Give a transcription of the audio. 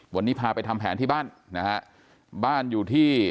วันนี้พาไปทำแผนที่บ้านนะฮะบ้านอยู่ที่